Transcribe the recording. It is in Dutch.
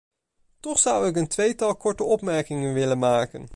Toch zou ik een tweetal korte opmerkingen willen maken.